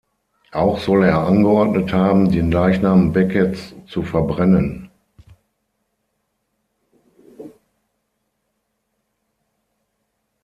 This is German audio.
Auch soll er angeordnet haben, den Leichnam Beckets zu verbrennen.